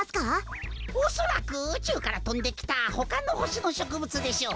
おそらくうちゅうからとんできたほかのほしのしょくぶつでしょう。